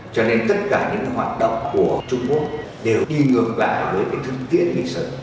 cho nên tất cả những hoạt động của trung quốc đều đi ngược lại với cái thức tiết liên sân